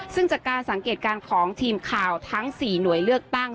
ซึ่งจากการสังเกตการณ์ของทีมข่าวทั้ง๔หน่วยเลือกตั้ง